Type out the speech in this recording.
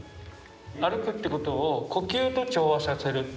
歩くってことを呼吸と調和させる。